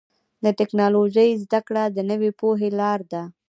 د ټکنالوجۍ زدهکړه د نوې پوهې لاره ده.